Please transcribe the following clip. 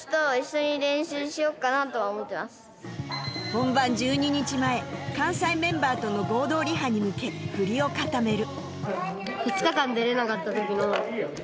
本番１２日前関西メンバーとの合同リハに向け振りを固める